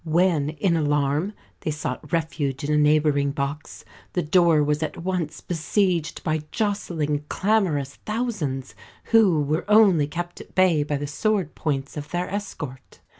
When, in alarm, they sought refuge in a neighbouring box, the door was at once besieged by jostling, clamorous thousands, who were only kept at bay by the sword points of their escort.